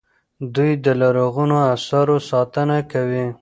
دوی د لرغونو اثارو ساتنه کوي.